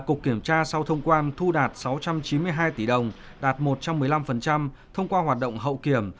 cục kiểm tra sau thông quan thu đạt sáu trăm chín mươi hai tỷ đồng đạt một trăm một mươi năm thông qua hoạt động hậu kiểm